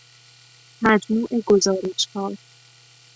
مجموع گزارش ها